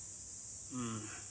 うん。